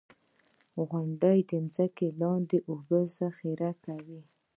• غونډۍ د ځمکې لاندې اوبه ذخېره کوي.